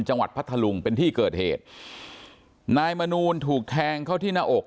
พัทธลุงเป็นที่เกิดเหตุนายมนูลถูกแทงเข้าที่หน้าอก